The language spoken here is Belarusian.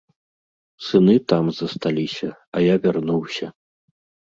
Сыны там засталіся, а я вярнуўся.